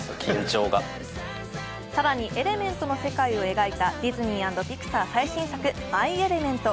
更に、エレメントの世界を描いたディズニーアンドピクサー最新作「マイ・エレメント」。